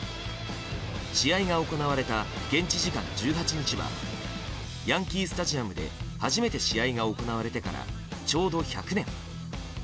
試合が行われた現地時間１８日はヤンキー・スタジアムで初めて試合が行われてからちょうど１００年。